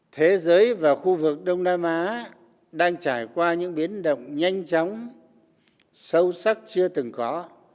thế giới và khu vực đông nam á đang trải qua những biến động nhanh chóng sâu sắc chưa từng có